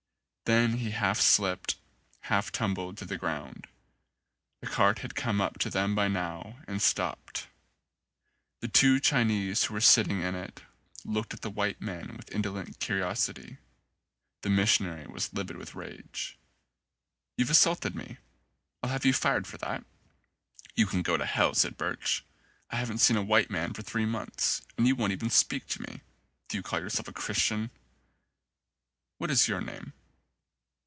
Then he half slipped, half tumbled to the ground. The cart had come up to them by now and stopped. The two Chinese who were sitting in it looked at the white men with indolent curiosity. The missionary was livid with rage. "You've assaulted me. I'll have you fired for that." "You can go to hell," said Birch. "I haven't seen a white man for three months and you won't even speak to me. Do you call yourself a Chris tian?" "What is your name?"